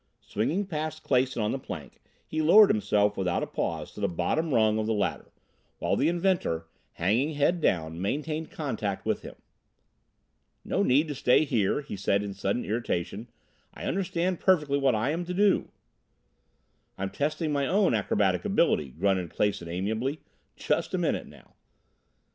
Swinging past Clason on the plank, he lowered himself without a pause to the bottom rung of the ladder, while the inventor, hanging head down, maintained contact with him. "No need to stay here," he said in sudden irritation. "I understand perfectly what I am to do." "I'm testing my own acrobatic ability," grunted Clason amiably. "Just a minute now."